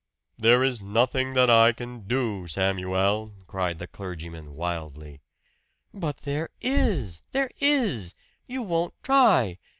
"There is nothing that I can do, Samuel!" cried the clergyman wildly. "But there is! There is! You won't try!